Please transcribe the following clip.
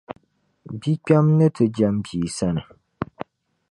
bikpɛma ni ti jɛm bia sani.